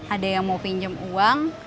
ada yang mau pinjam uang